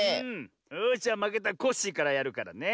よしじゃまけたコッシーからやるからね。